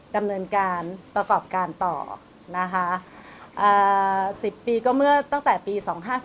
ดำเนินการประกอบการต่อนะคะ๑๐ปีก็เมื่อตั้งแต่ปี๒๕๔